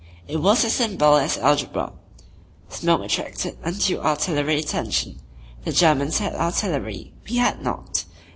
It was as simple as algebra. Smoke attracted undue artillery attention the Germans had artillery; we had not.